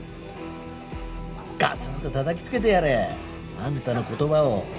ガツンとたたきつけてやれ！あんたの言葉を。